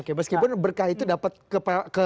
oke meskipun berkah itu dapat ke